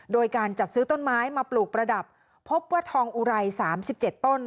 โดยการจัดซื้อต้นไม้มาปลูกประดับพบว่าทองอุไร๓๗ต้น